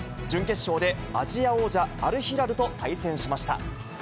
準決勝でアジア王者、アルヒラルと対戦しました。